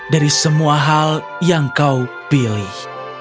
dari semua hal yang kau pilih